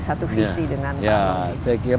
satu visi dengan pak longgi sebagai gubernur